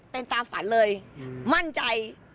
เป็นตามฝันเลยมั่นใจ